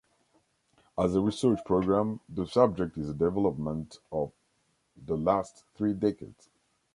As a research program, the subject is a development of the last three decades.